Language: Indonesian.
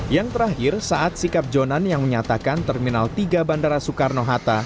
yang terakhir saat sikap jonan yang menyatakan terminal tiga bandara soekarno hatta